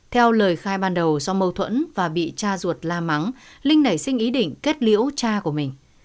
theo lời khai ban đầu do mâu thuẫn và bị cha ruột la mắng linh nảy sinh ý định kết liễu cha của mình